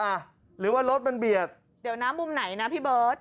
หรือว่ารถมันเบียดเดี๋ยวน้ำมุมไหนนะพี่เบิร์ต